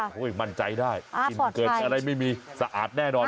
โห้ยมั่นใจได้ค่ะอ่าปลอดภัยอะไรไม่มีสะอาดแน่นอน